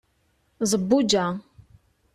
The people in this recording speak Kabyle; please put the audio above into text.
zebbuǧa